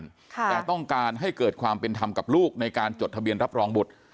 แต่ต้องการให้เกิดความเป็นธรรมกับลูกในการจดทะเบียนรับรองบุตร